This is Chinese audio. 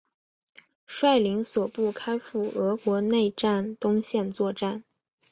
率领所部开赴俄国内战东线作战。